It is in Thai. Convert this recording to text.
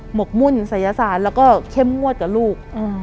หกมุ่นศัยศาสตร์แล้วก็เข้มงวดกับลูก